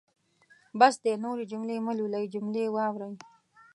بس دی نورې جملې مهلولئ جملې واورئ.